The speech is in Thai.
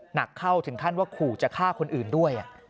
หนักเข้าถึงขั้นว่าขู่จะฆ่าคนอื่นด้วย